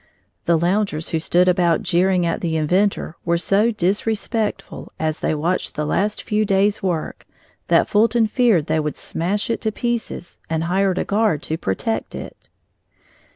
The loungers who stood about jeering at the inventor were so disrespectful as they watched the last few days' work that Fulton feared they would smash it in pieces and hired a guard to protect it.